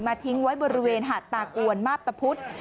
ทิ้งไว้บริเวณหาดตากวนมาพตะพุธ